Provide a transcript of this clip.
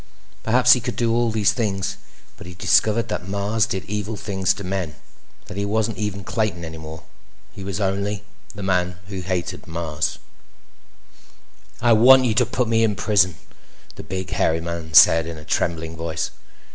Perhaps he could do all these things, but he discovered that Mars did evil things to men; that he wasn't even Clayton any more. He was only—_ The Man Who Hated Mars By RANDALL GARRETT "I WANT you to put me in prison!" the big, hairy man said in a trembling voice.